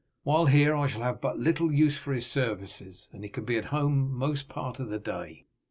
While here I shall have but little use for his services, and he can be at home most part of the day."